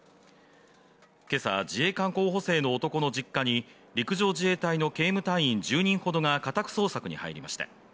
今朝自衛官候補生の男の実家に陸上自衛隊の警務隊員１０人ほどが家宅捜索に入りました。